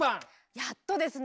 やっとですね。